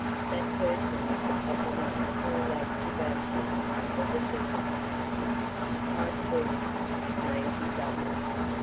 That person was the proper one for a lad to go to under the circumstances my sweetheart, Maisie Dunlop.